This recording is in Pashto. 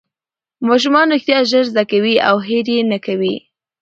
ماشومان رښتیا ژر زده کوي او هېر یې نه کوي